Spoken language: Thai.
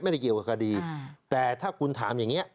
เกี่ยวกับคดีแต่ถ้าคุณถามอย่างนี้